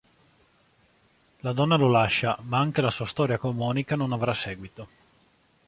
La donna lo lascia ma anche la sua storia con Monica non avrà seguito.